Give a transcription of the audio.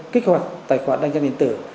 kích hoạt tài khoản định danh điện tử